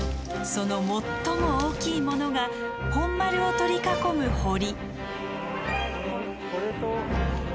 その最も大きいものが本丸を取り囲む堀。